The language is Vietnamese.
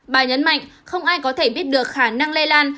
bà nhấn mạnh không ai có thể biết được khả năng lây lan